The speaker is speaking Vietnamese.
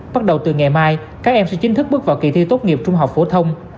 bắt đầu từ ngày mai các em sẽ chính thức bước vào kỳ thi tốt nghiệp trung học phổ thông